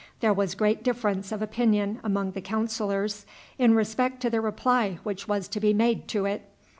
There was great difference of opinion among the counselors in respect to the reply which was to be made to it.